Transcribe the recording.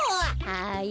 はい？